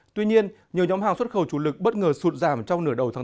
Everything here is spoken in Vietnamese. tuy nhiên nhiều nhóm hàng xuất khẩu chủ lực bất ngờ sụt giảm trong nửa đầu tháng bốn